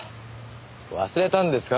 忘れたんですか？